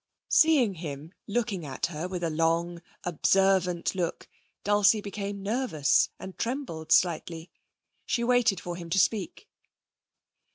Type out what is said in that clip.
Seeing him looking at her with a long, observant look, Dulcie became nervous and trembled slightly. She waited for him to speak.